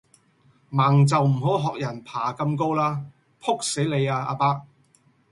盲就唔好學人爬咁高啦，仆死你呀阿伯